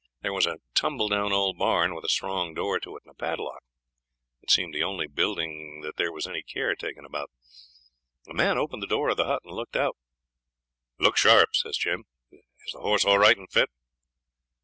There was a tumble down old barn, with a strong door to it, and a padlock; it seemed the only building that there was any care taken about. A man opened the door of the hut and looked out. 'Look sharp,' says Jim. 'Is the horse all right and fit?'